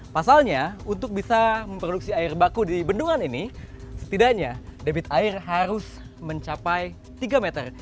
pasalnya untuk bisa memproduksi air baku di bendungan ini setidaknya debit air harus mencapai tiga meter